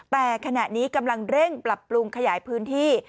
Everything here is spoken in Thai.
แต่ขณะนี้กำลังเร่งปรับปรุงขยายพื้นที่